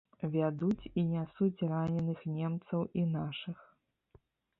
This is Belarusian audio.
Вядуць і нясуць раненых немцаў і нашых.